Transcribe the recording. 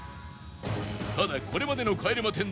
ただこれまでの帰れま